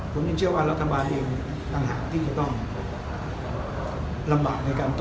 ผมยังเชื่อว่ารัฐบาลเองต่างหากที่จะต้องลำบากในการต่อ